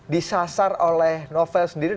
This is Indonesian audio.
disasar oleh novel sendiri